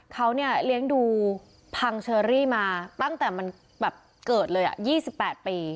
เขาเนี่ยเลี้ยงดูพังเชอรี่มาตั้งแต่มันแบบเกิดเลย๒๘ปี